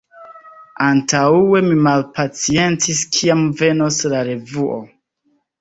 Antaŭe mi malpaciencis kiam venos la revuo.